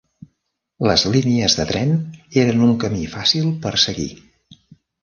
Les línies de tren eren un camí fàcil per seguir.